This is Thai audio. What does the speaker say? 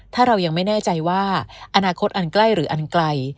ถ้าเรายังไม่แน่ใจว่าอนาคตอันใกล้หรืออันไกล